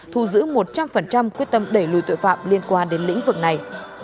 thu giữ một trăm linh quyết tâm đẩy lùi tội phạm liên quan đến lĩnh vực này